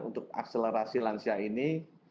untuk akselerasi lansia ini